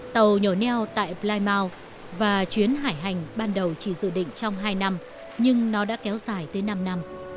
tàu nhổ neo tại plymoune và chuyến hải hành ban đầu chỉ dự định trong hai năm nhưng nó đã kéo dài tới năm năm